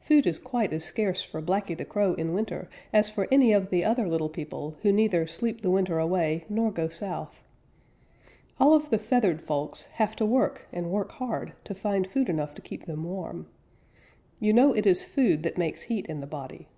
Food is quite as scarce for Blacky the Crow in winter as for any of the other little people who neither sleep the winter away nor go south. All of the feathered folks have to work and work hard to find food enough to keep them warm. You know it is food that makes heat in the body.